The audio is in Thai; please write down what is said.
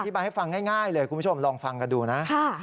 บายให้ฟังง่ายเลยคุณผู้ชมลองฟังกันดูนะ